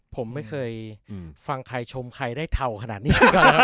ผมไม่เคยฟังใครชมใครได้เทาขนาดนี้